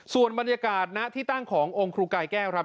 ส่วนบรรยากาศณที่ตั้งขององค์ครูกายแก้วครับ